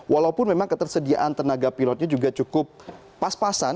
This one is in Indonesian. walaupun memang ketersediaan tenaga pilotnya juga cukup pas pasan